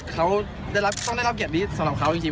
เขาต้องได้รับเกียรติดีสนามเขาจริง